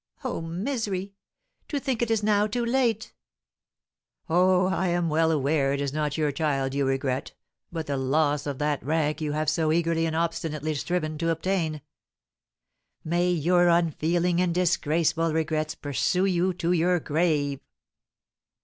Oh, misery! To think it is now too late!" "Oh, I am well aware it is not your child you regret, but the loss of that rank you have so eagerly and obstinately striven to obtain. May your unfeeling and disgraceful regrets pursue you to your grave!"